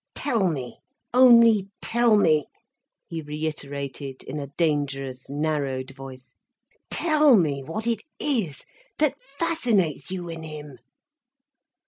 "Tell me, only tell me," he reiterated in a dangerous narrowed voice—"tell me what it is that fascinates you in him."